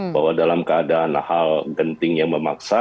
bahwa dalam keadaan hal genting yang memaksa